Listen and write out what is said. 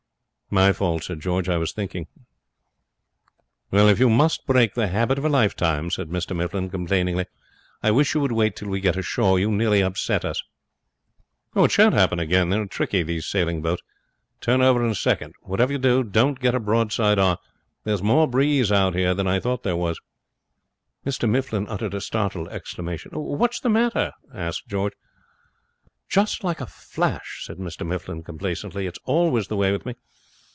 'My fault,' said George; 'I was thinking.' 'If you must break the habit of a lifetime,' said Mr Mifflin, complainingly, 'I wish you would wait till we get ashore. You nearly upset us.' 'It shan't happen again. They are tricky, these sailing boats turn over in a second. Whatever you do, don't get her broadside on. There's more breeze out here than I thought there was.' Mr Mifflin uttered a startled exclamation. 'What's the matter?' asked George. 'Just like a flash,' said Mr Mifflin, complacently. 'It's always the way with me.